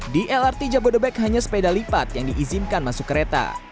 di lrt jabodebek hanya sepeda lipat yang diizinkan masuk kereta